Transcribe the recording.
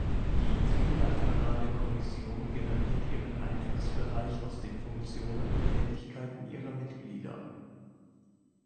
Die "Trilaterale Kommission" generiert ihren Einflussbereich aus den Funktionen und Tätigkeiten ihrer Mitglieder.